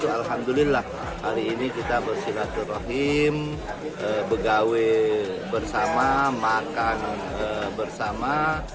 alhamdulillah hari ini kita bersilaturahim begawe bersama makan bersama